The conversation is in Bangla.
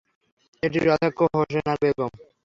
এটির অধ্যক্ষ হোসনে আরা বেগম।